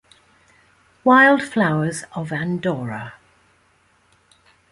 Wild Flowers of Andorra.